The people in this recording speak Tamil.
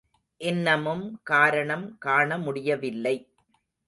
இன்னமும் காரணம் காணமுடியவில்லை.